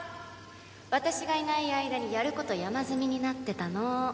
私がいない間にやること山積みになってたの。